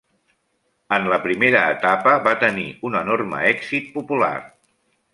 En la primera etapa va tenir un enorme èxit popular.